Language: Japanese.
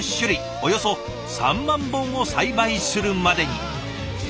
およそ３万本を栽培するまでに。